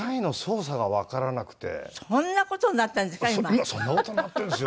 今そんな事になってるんですよ。